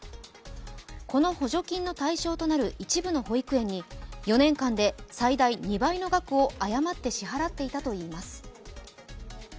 この補助金の対象となる一部の保育園に４年間で最大２倍の額を誤って支払っていたといいます。